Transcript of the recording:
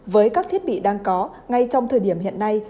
với các thiết bị đang có ngay trong thời điểm hiện nay